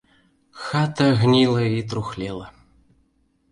Хата гніла і трухлела.